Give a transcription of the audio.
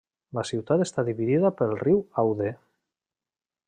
La ciutat està dividida pel riu Aude.